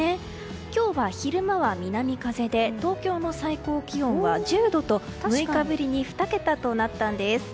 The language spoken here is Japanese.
今日は昼間は南風で東京の最高気温は１０度と６日ぶりに２桁になったんです。